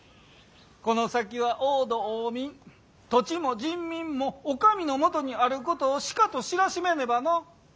この先は王土王臣土地も人民もお上の下にあることをしかと知らしめねばのう。